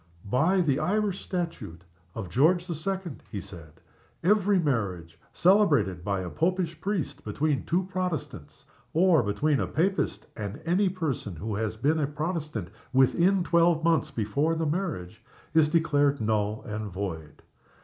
"By the Irish Statute of George the Second," he said, "every marriage celebrated by a Popish priest between two Protestants, or between a Papist and any person who has been a Protestant within twelve months before the marriage, is declared null and void.